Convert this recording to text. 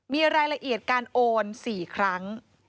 มีรายละเอียดการโอน๔ครั้ง